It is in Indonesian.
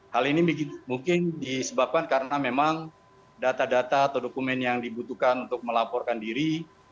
hal ini mungkin disebabkan karena memang data data atau dokumen yang dibutuhkan untuk melaporkan diri